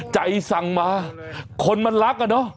สั่งมาคนมันรักอะเนาะ